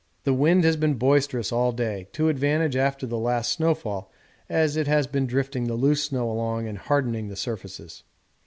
The wind has been boisterous all day, to advantage after the last snow fall, as it has been drifting the loose snow along and hardening the surfaces.